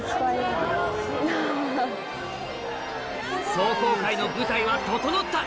壮行会の舞台は整った！